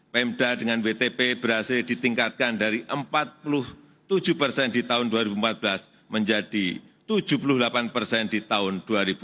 pemda dengan wtp berhasil ditingkatkan dari empat puluh tujuh persen di tahun dua ribu empat belas menjadi tujuh puluh delapan persen di tahun dua ribu dua puluh